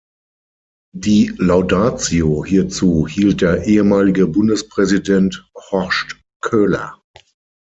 Die Laudatio hierzu hielt der ehemalige Bundespräsident Horst Köhler.